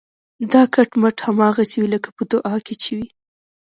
دا کټ مټ هماغسې وي لکه په دعا کې چې وي.